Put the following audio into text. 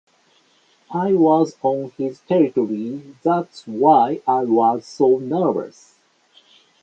I was on his territory, that's why I was so nervous.